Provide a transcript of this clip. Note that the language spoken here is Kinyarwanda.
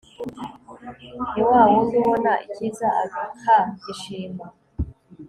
ni wa wundi ubona icyiza akagishima